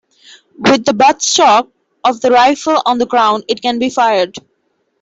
With the butt-stock of the rifle on the ground it can be fired.